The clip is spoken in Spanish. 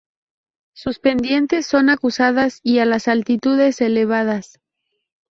Sus pendientes son acusadas y las altitudes elevadas.